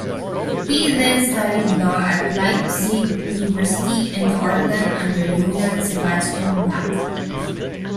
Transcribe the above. He then studied law at Leipzig University and the organ under Johann Sebastian Bach.